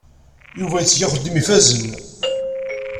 Yuba itteg axeddim ifazen.